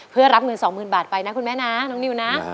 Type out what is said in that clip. เพื่อรับเงิน๒๐๐๐บาทไปนะคุณแม่นะน้องนิวนะ